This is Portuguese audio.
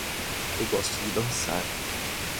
Eu gosto de dançar.